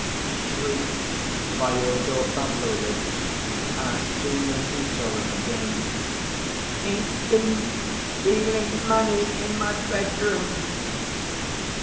shrieked Fyodor Pavlovitch, as soon as he saw him again. "He's been stealing money in my bedroom."